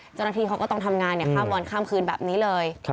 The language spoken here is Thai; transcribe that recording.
เจ้าหน้าที่เขาก็ต้องทำงานข้ามวันข้ามคืนแบบนี้เลย